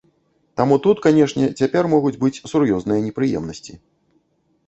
Таму тут, канешне, цяпер могуць быць сур'ёзныя непрыемнасці.